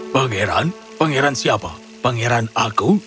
pangeran pangeran siapa pangeran aku